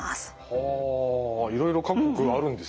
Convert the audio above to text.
はあいろいろ各国あるんですね。